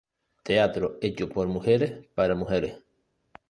Teatro hecho por mujeres para mujeres.